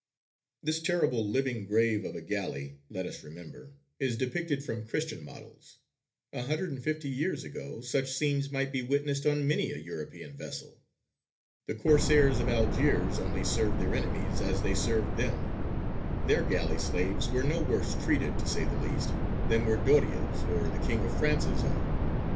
This terrible living grave of a galley, let us remember, is depicted from Christian models. A hundred and fifty years ago such scenes might be witnessed on many a European vessel. The Corsairs of Algiers only served their enemies as they served them: their galley slaves were no worse treated, to say the least, than were Doria's or the King of France's own.